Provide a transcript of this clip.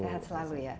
sehat selalu ya